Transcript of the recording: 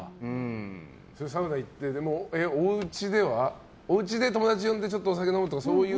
サウナ行っておうちで友達呼んでちょっと、お酒飲むとかそういう。